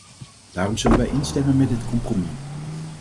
Daarom zullen wij instemmen met dit compromis.